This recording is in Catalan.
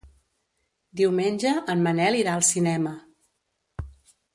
Diumenge en Manel irà al cinema.